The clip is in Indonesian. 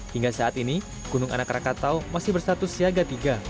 hingga saat ini gunung anak rakatau masih berstatus siaga tiga